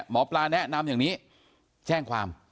หมอปลาแนะนำอย่างนี้แจ้งความ